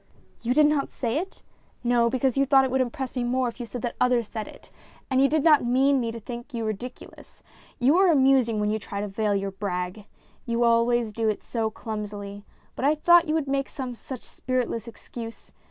" You did not say it ? No, because you thought MINIATURES 235 it would impress me more if you said that others said it, and you did not mean me to think you ridiculous. You are amusing when you try to veil your brag. You always do it so clumsily. But I thought you would make some such spirit less excuse.